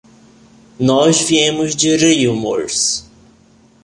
Nós viemos de Riumors.